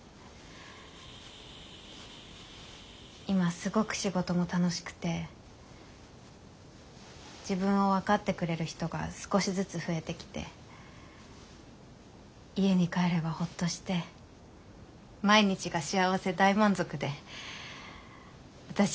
今すごく仕事も楽しくて自分を分かってくれる人が少しずつ増えてきて家に帰ればほっとして毎日が幸せ大満足で私